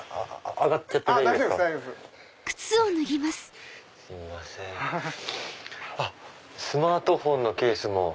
あっスマートフォンのケースも。